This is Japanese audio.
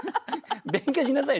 勉強しなさい！